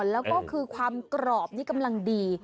แล้วก็คือความกรอบนี่กำลังดี